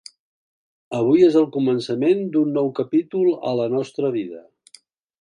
Avui és el començament d’un nou capítol a la nostra vida.